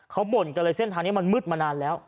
เขาบ่นกันเลยเส้นทางนี้มันมืดมานานแล้ว